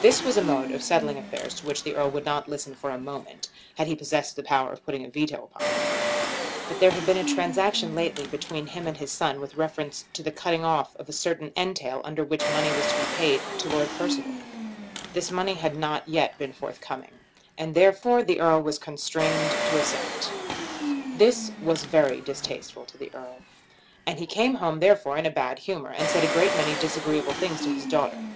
This was a mode of settling affairs to which the Earl would not listen for a moment, had he possessed the power of putting a veto upon it. But there had been a transaction lately between him and his son with reference to the cutting off a certain entail under which money was to be paid to Lord Percival. This money had not yet been forthcoming, and therefore the Earl was constrained to assent. This was very distasteful to the Earl, and he came home therefore in a bad humour, and said a great many disagreeable things to his daughter.